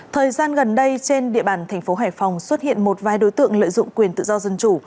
thời gian gần đây trên địa bàn thành phố hải phòng xuất hiện một vài đối tượng lợi dụng quyền tự do dân chủ